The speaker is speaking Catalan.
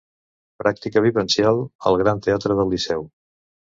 Pràctica vivencial al Gran Teatre del Liceu.